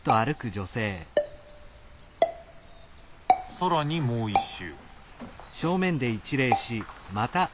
更にもう一周。